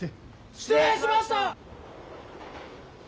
失礼しました！